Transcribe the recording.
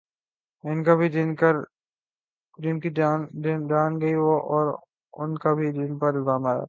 ان کا بھی جن کی جان گئی اوران کا بھی جن پر الزام ہے۔